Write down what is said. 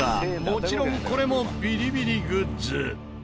もちろんこれもビリビリグッズ。